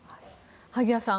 萩谷さん